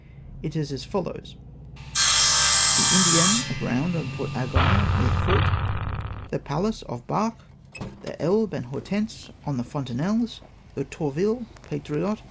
It is as follows :—" The Indienne aground on Point Aiguille, near the fort ; the Pallas off Barques ; the Elbe and Hortense on the Fontenelles ; the Tourville, Patriote.